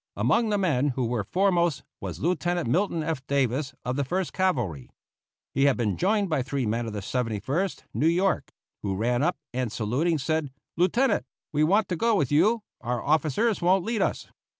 Among the men who were foremost was Lieutenant Milton F. Davis, of the First Cavalry. He had been joined by three men of the Seventy first New York, who ran up, and, saluting, said, "Lieutenant, we want to go with you, our officers won't lead us."